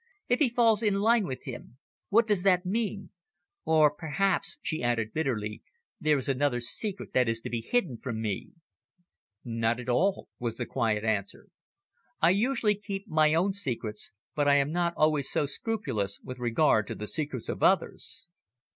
"If he falls in line with him. What does that mean? Or perhaps," she added bitterly, "this is another secret that is to be hidden from me." "Not at all," was the quiet answer. "I usually keep my own secrets, but I am not always so scrupulous with regard to the secrets of others.